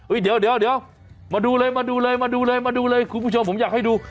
อุ๊ยเดี๋ยวมาดูเลยคุณผู้ชมผมอยากให้ดู